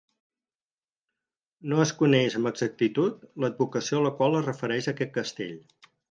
No es coneix amb exactitud l'advocació a la qual es refereix aquest castell.